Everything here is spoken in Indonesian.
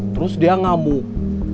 terus dia ngamuk